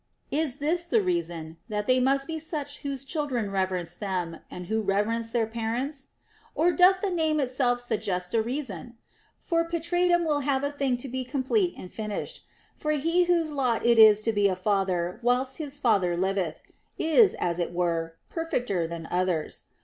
Is this the reason, that they must be such whose children reverence them, and who reverence their parents ] Or doth the name itself .suggest a reason ? For patratum will have a thing to be complete and finished ; for he whose lot it is to be a father whilst his father liveth is (as it were) perfecter than others.